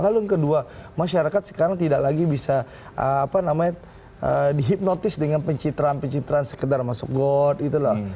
lalu yang kedua masyarakat sekarang tidak lagi bisa apa namanya dihipnotis dengan pencitraan pencitraan sekedar masuk got gitu loh